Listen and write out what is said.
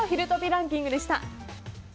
ランキングでした。